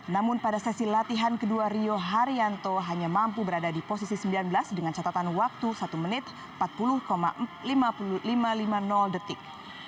namun pada sesi latihan kedua rio haryanto hanya mampu berada di posisi sembilan belas dengan catatan waktu satu menit empat puluh lima ratus lima puluh detik